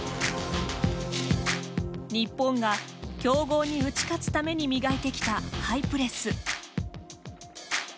日本が強豪に打ち勝つために磨いてきたハイプレス。